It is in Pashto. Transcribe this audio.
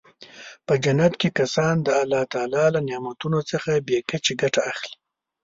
په جنت کې کسان د الله تعالی له نعمتونو څخه بې کچې ګټه اخلي.